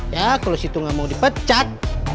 ya kalau situ nggak mau dipecat